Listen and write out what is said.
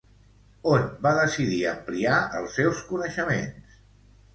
On va decidir ampliar els seus coneixements?